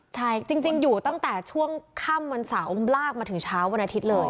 ใช่จริงอยู่ตั้งแต่ช่วงค่ำวันเสาร์ลากมาถึงเช้าวันอาทิตย์เลย